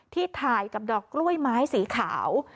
ที่ถ่ายกับดอกกล้วยไม้สีขาว